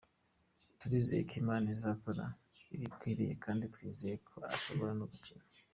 Turizeye ko Imana izakora ibikwiriye kandi twizeye ko ashobora no gukira.